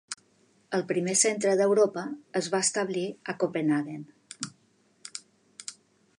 El primer centre d'Europa es va establir a Copenhaguen.